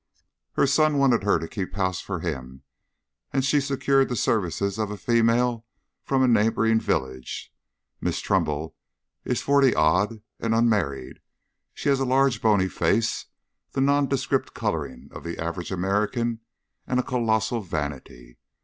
"Her son wanted her to keep house for him, and she secured the services of a female from a neighboring village. Miss Trumbull is forty odd and unmarried. She has a large bony face, the nondescript colouring of the average American, and a colossal vanity.